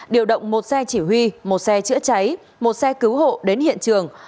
điều động một xe chỉ huy một xe chữa cháy một xe cứu hộ đến hiện trường